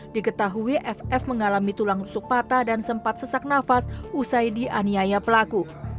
diketahui ff mengalami tulang rusuk patah dan sempat sesak nafas usai dianiaya pelaku